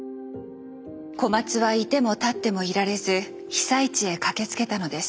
小松は居ても立ってもいられず被災地へ駆けつけたのです。